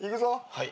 はい。